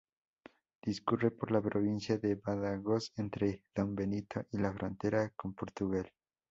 Discurre por la provincia de Badajoz entre Don Benito y la frontera con Portugal.